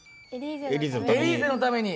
「エリーゼのために」。